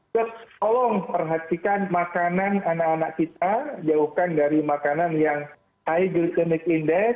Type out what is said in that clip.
sop tolong perhatikan makanan anak anak kita jauhkan dari makanan yang high grocemic index